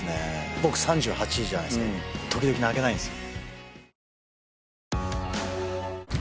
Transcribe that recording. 僕３８じゃないですか今時々泣けないんですよ